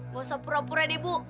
bosa pura pura deh bu